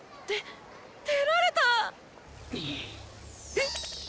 えっ⁉